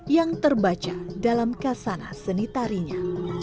yang terbaca dalam kasana seni tarinya